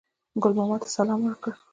ګل ماما ته سلام ورکړ.